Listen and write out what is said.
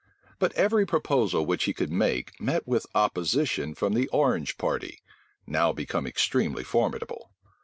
But every proposal which he could make met with opposition from the Orange party, now become extremely formidable.